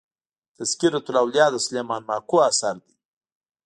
تذکرة الاولياء د سلېمان ماکو اثر دئ.